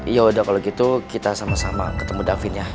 yaudah kalau gitu kita sama sama ketemu davin ya